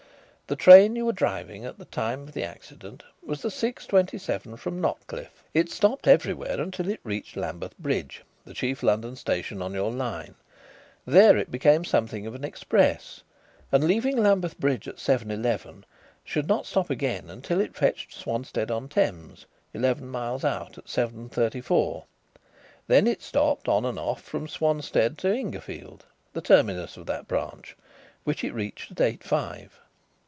"The train you were driving at the time of the accident was the six twenty seven from Notcliff. It stopped everywhere until it reached Lambeth Bridge, the chief London station on your line. There it became something of an express, and leaving Lambeth Bridge at seven eleven, should not stop again until it fetched Swanstead on Thames, eleven miles out, at seven thirty four. Then it stopped on and off from Swanstead to Ingerfield, the terminus of that branch, which it reached at eight five."